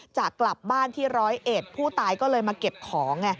จะกลับบ้านที่ร้อยเอ็ดผู้ตายก็เลยมาเก็บของไง